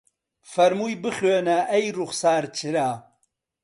فەرمووی بخوێنە ئەی ڕوخسار چرا